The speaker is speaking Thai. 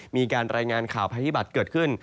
มีการรายงานข่าวภัยพิบัตรเกิดขึ้น